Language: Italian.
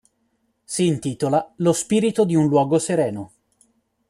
Si intitola "Lo spirito di un luogo sereno".